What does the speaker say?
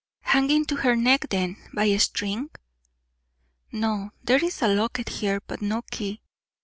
"Hanging to her neck, then, by a string?" "No; there is a locket here, but no key.